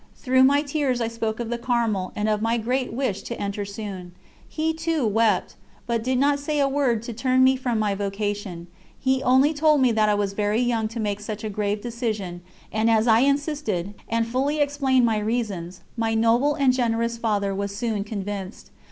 Through my tears I spoke of the Carmel and of my great wish to enter soon. He, too, wept, but did not say a word to turn me from my vocation; he only told me that I was very young to make such a grave decision, and as I insisted, and fully explained my reasons, my noble and generous Father was soon convinced.